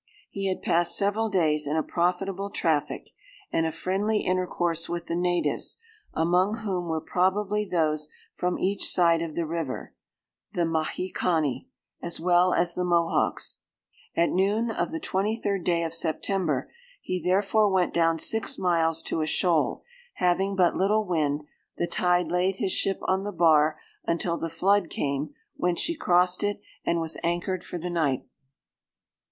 He had passed several days in a profitable traffic, and a friendly intercourse with the natives; among whom were probably those from each side of the river—the Mahicanni, as well as the Mohawks. At noon of the 23d of September, he therefore went down six miles to a shoal: having but little wind, the tide laid his ship on the bar until the flood came, when she crossed it, and was anchored for the night.